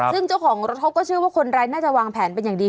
ซึ่งเจ้าของรถเขาก็เชื่อว่าคนร้ายน่าจะวางแผนเป็นอย่างดี